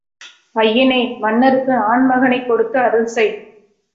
ஐயனே மன்னருக்கு ஆண்மகவைக் கொடுத்து அருள்செய்.